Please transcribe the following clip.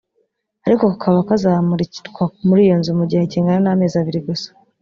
ariko kakaba kazamurikwa muri iyo nzu mu gihe kingana n’amezi abiri gusa